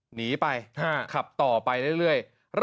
หนีไปขับต่อไปเรื่อย